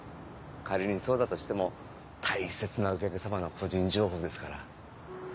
仮にそうだとしても大切なお客様の個人情報ですから。